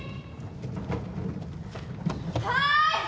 はい！